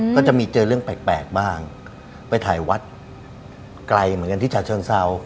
ก็จะมีเจอเรื่องแปลกบ้างไปถ่ายวัดไกลเหมือนกันที่ฉะเชิงเซา